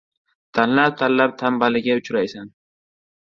• Tanlab-tanlab tanbaliga uchraysan.